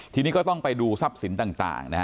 ทีนี้ก็ต้องไปดูทรัพย์สินต่างนะฮะ